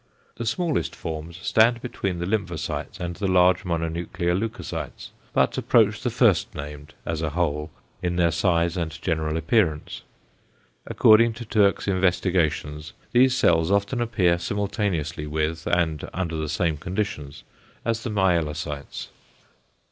The smallest forms stand between the lymphocytes and the large mononuclear leucocytes, but approach the first named as a whole in their size and general appearance. According to Türk's investigations, these cells often occur simultaneously with, and under the same conditions as the myelocytes.